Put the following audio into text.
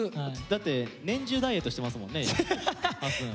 だって年中ダイエットしてますもんねはっすん。